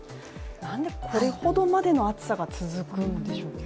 なんでこれほどまでの暑さが続くんでしょうか。